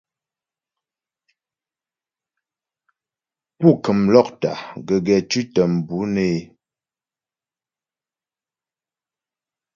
Pú kəm lɔ́kta gəgɛ tʉ̌tə mbʉ̌ nə́ é.